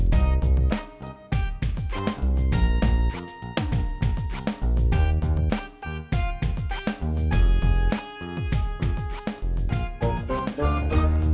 lagi nyari nyari bensin